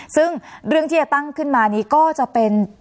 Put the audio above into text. ซึ่งเรื่องที่จะตั้งขึ้นมานี้ก็จะเป็น